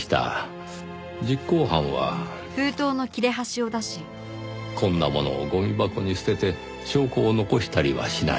実行犯はこんなものをゴミ箱に捨てて証拠を残したりはしない。